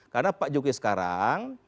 karena pak jokowi sekarang